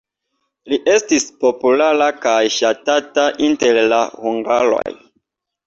Li estis populara kaj ŝatata inter la hungaroj.